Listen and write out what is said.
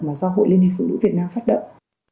mà do hội liên hiệp phụ nữ việt nam phát động